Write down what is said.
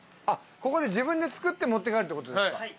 ここで自分で作って持って帰るってことですか？